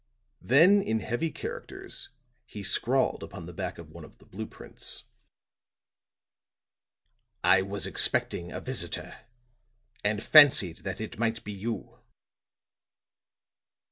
Then in heavy characters he scrawled upon the back of one of the blue prints. "I was expecting a visitor, and fancied that it might be you."